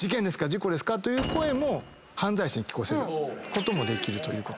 事故ですか？」という声も犯罪者に聞かせることもできる。